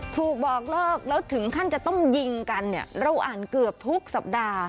บอกเลิกแล้วถึงขั้นจะต้องยิงกันเนี่ยเราอ่านเกือบทุกสัปดาห์